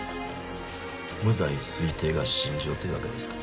「無罪推定」が信条というわけですか。